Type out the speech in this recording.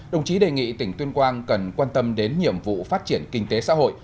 đồng chí đề nghị tỉnh tuyên quang cần quan tâm đến nhiệm vụ phát triển kinh tế xã hội